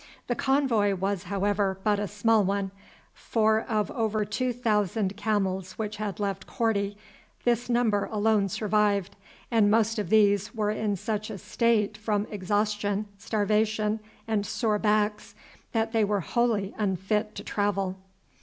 The convoy was, however, but a small one, for of over two thousand camels which had left Korti, this number alone survived, and most of these were in such a state from exhaustion, starvation, and sore backs, that they were wholly unfit to travel.